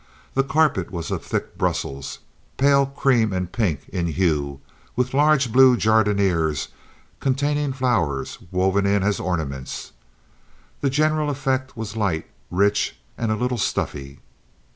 The carpet was of thick Brussels, pale cream and pink in hue, with large blue jardinieres containing flowers woven in as ornaments. The general effect was light, rich, and a little stuffy.